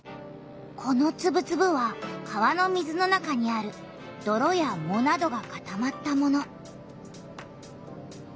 このつぶつぶは川の水の中にあるどろやもなどがかたまったもの。